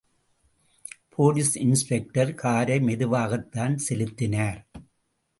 Police inspector காரை மெதுவாகத்தான் செலுத்தினார்.